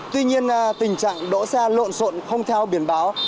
tuy nhiên tình trạng đỗ xe lộn xộn không theo biển báo